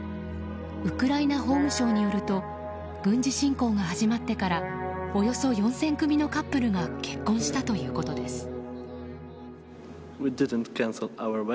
ウクライナ法務省によると軍事侵攻が始まってからおよそ４０００組のカップルが結婚したということです。